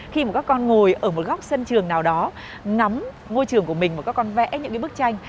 khi mà các con ngồi ở một góc sân trường nào đó ngắm môi trường của mình mà các con vẽ những cái bức tranh